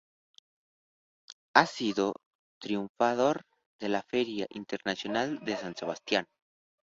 Ha sido triunfador de la Feria Internacional de San Sebastián.